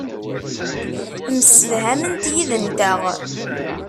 Msefhament yid-nteɣ.